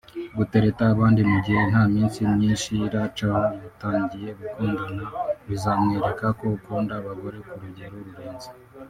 Gutereta abandi mu gihe nta minsi myinshi iracaho mutangiye gukundana bizamwereka ko ukunda abagore ku rugero rurenze